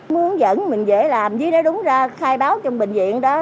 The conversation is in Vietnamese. muốn dẫn mình dễ làm dưới đó đúng ra khai báo trong bệnh viện đó